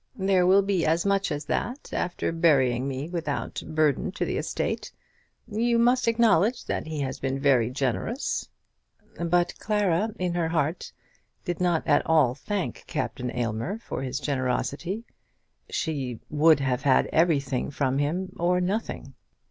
There will be as much as that after burying me without burden to the estate. You must acknowledge that he has been very generous." But Clara, in her heart, did not at all thank Captain Aylmer for his generosity. She would have had everything from him, or nothing.